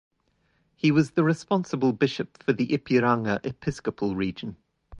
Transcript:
He was the responsible bishop for the Ipiranga Episcopal Region.